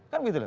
kan begitu loh